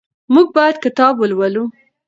موږ باید کتاب ولولو.